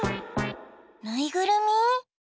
ぬいぐるみ？